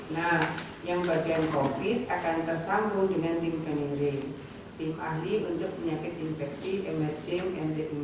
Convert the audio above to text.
nah yang bagian covid akan tersambung dengan tim penyakit infeksi emerging dan re emerging